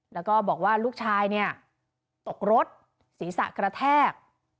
แล้วก็บอกว่าลูกชายเนี่ยตกรถศีรษะกระแทก